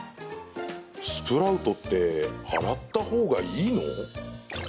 スプラウトって洗ったほうがいいの？